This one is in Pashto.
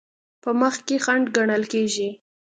په مخ کې خنډ ګڼل کیږي.